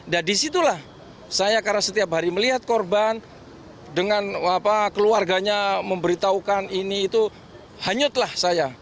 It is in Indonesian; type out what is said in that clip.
nah disitulah saya karena setiap hari melihat korban dengan keluarganya memberitahukan ini itu hanyutlah saya